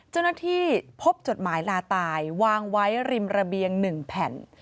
เจ้าหน้าที่พบจดหมายลาตายวางไว้ริมระเบียง๑แผ่น